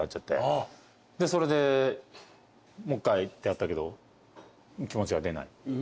でそれでもう一回ってやったけど気持ちが出ない。